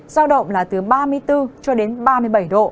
giao động là từ ba mươi bốn cho đến ba mươi bảy độ